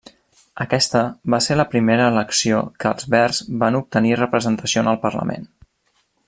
Aquesta va ser la primera elecció que els Verds van obtenir representació en el parlament.